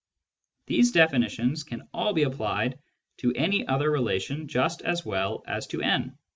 These definitions can all be applied to any other relation just as well as to N.